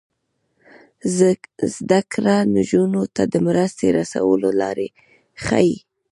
زده کړه نجونو ته د مرستې رسولو لارې ښيي.